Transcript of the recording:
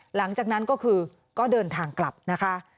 หลังจากนั้นก็คือก็เดินทางกลับนะคะ